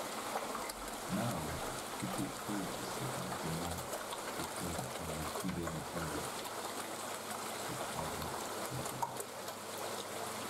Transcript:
Marbre, stupéfait de cet argument auquel il ne pouvait répondre, se croisa les bras.